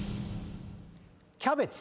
キャベツ。